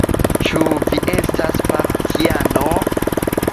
Ĉu vi estas partiano?